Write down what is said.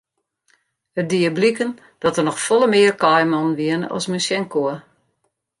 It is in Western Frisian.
It die bliken dat der noch folle mear kaaimannen wiene as men sjen koe.